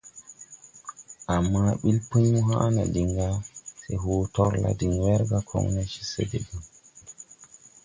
Ama ɓil Pũy mo haʼ no diŋ ga se hoo torla diŋ werga koŋne ce se debaŋ.